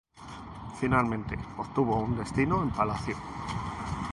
Finalmente obtuvo un destino en Palacio.